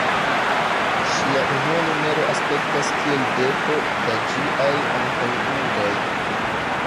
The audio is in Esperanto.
Ŝia unua numero aspektas kiel deko da ĝiaj antaŭuloj.